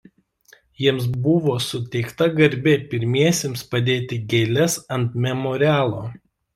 Jiems buvo suteikta garbė pirmiesiems padėti gėles ant memorialo.